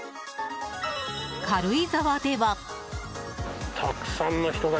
軽井沢では。